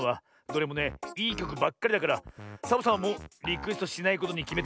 どれもねいいきょくばっかりだからサボさんはもうリクエストしないことにきめたんだ。